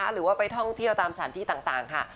หรือว่าไปท่องเที่ยวตามสถานที่ต่างค่ะ